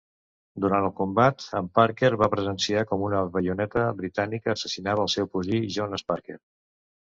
Durant el combat, en Parker va presenciar com una baioneta britànica assassinava el seu cosí Jonas Parker.